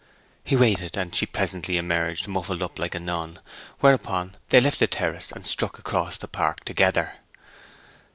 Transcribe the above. He waited, and she presently emerged, muffled up like a nun; whereupon they left the terrace and struck across the park together.